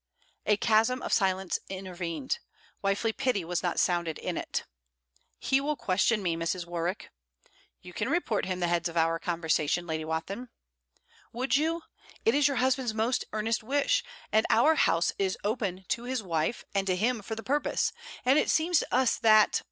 A chasm of silence intervened. Wifely pity was not sounded in it. 'He will question me, Mrs. Warwick.' 'You can report to him the heads of our conversation, Lady Wathin.' 'Would you it is your husband's most earnest wish; and our house is open to his wife and to him for the purpose; and it seems to us that...